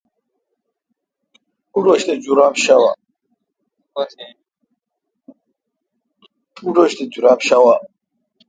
پوٹوش تہ جراب شاوہ۔